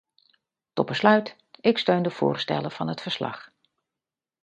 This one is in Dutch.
Tot besluit: ik steun de voorstellen van het verslag.